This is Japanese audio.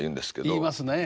言いますね。